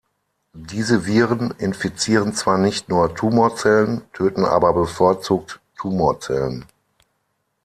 Diese Viren infizieren zwar nicht nur Tumorzellen, töten aber bevorzugt Tumorzellen.